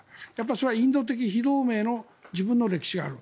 それはインド的非同盟の自分の歴史がある。